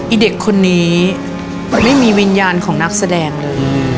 เด็กคนนี้ไม่มีวิญญาณของนักแสดงเลย